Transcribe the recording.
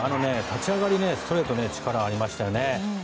立ち上がり、ストレートに力ありましたよね。